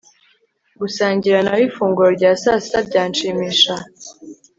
Gusangira nawe ifunguro rya sasita byanshimisha